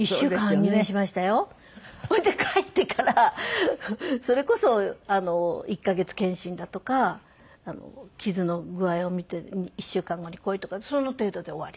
また帰ってからそれこそ１カ月検診だとか傷の具合を診て１週間後に来いとかその程度で終わり。